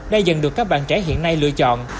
đã dần được các bạn trẻ hiện nay lựa chọn